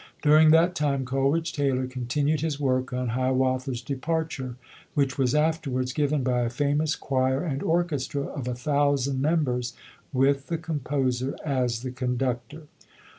During that time Coleridge Taylor continued his work on "Hiawatha's Departure", which was afterwards given by a famous choir and orchestra of a thousand members, with the composer as the conductor.